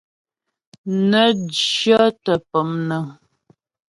Nə jyɔ́tə pɔmnəŋ.